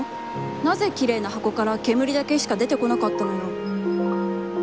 なぜ、きれいな箱からけむりだけしか出てこなかったのよ？」